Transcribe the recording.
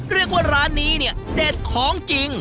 เรียกว่าร้านนี้เนี่ยเด็ดของจริง